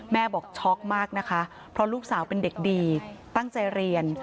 บอกช็อกมากนะคะเพราะลูกสาวเป็นเด็กดีตั้งใจเรียน